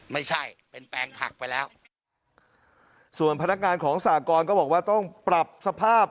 ไม่ใช่เป็นแปลงผักไปแล้วส่วนพนักงานของสากรก็บอกว่าต้องปรับสภาพ